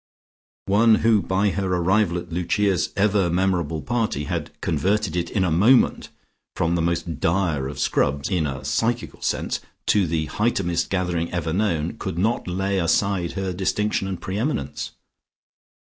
One who by her arrival at Lucia's ever memorable party had converted it in a moment from the most dire of Scrubs (in a psychical sense) to the Hightumest gathering ever known could not lay aside her distinction and pre eminence.